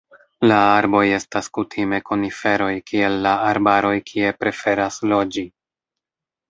La arboj estas kutime koniferoj kiel la arbaroj kie preferas loĝi.